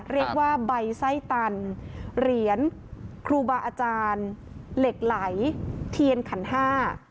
เรียกว่าใบไส้ตันเหรียญครูบาอาจารย์เหล็กไหลเทียนขันห้า